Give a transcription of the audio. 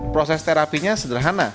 proses terapinya sederhana